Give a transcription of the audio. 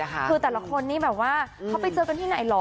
คือแต่ละคนนี้ข้าวไปเจอกันที่ไหนหรอ